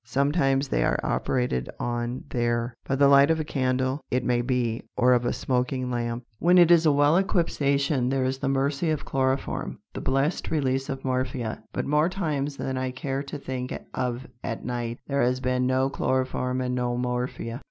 Sometimes they are operated on there, by the light of a candle, it may be, or of a smoking lamp. When it is a well equipped station there is the mercy of chloroform, the blessed release of morphia, but more times than I care to think of at night, there has been no chloroform and no morphia.